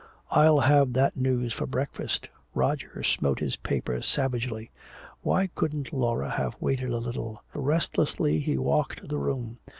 "I'll have that news for breakfast!" Roger smote his paper savagely. Why couldn't Laura have waited a little? Restlessly he walked the room.